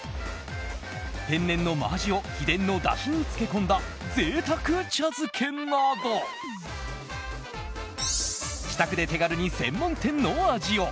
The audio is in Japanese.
天然の真アジを秘伝のだしに漬け込んだ贅沢茶漬けなど自宅で手軽に専門店の味を。